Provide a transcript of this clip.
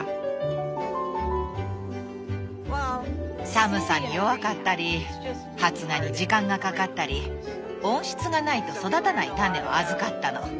寒さに弱かったり発芽に時間がかかったり温室がないと育たない種を預かったの。